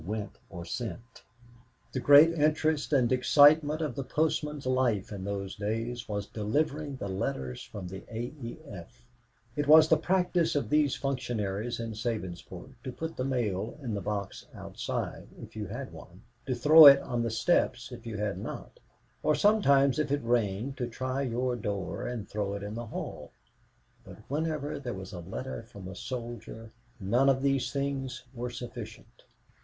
went or sent. The great interest and excitement of the postmen's life in those days was delivering the letters from the A. E. F. It was the practice of these functionaries in Sabinsport to put the mail in the box outside, if you had one; to throw it on the steps if you had not; or sometimes, if it rained, to try your door and throw it in the hall; but whenever there was a letter from a soldier none of these things were sufficient.